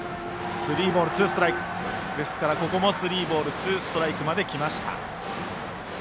ここもスリーボールツーストライクまできました。